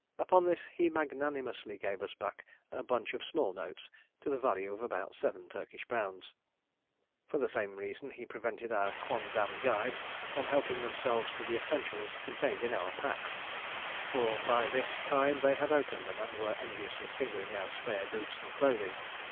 Upon this he magnanimously gave us back a bunch of small notes, to the value of about seven Turkish pounds. For the same reason he prevented our quondam guides from helping themselves to the essentials contained in our packs; for by this time they had opened them and were enviously fingering our spare boots and clothing.